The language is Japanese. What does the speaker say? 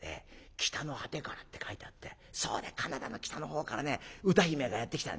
『北の果てから』って書いてあってそれでカナダの北の方からね歌姫がやって来た」。